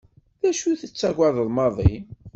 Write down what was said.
D acu tettagadeḍ maḍi?